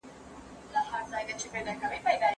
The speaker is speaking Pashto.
پسرلی دی، دامانې زمردینې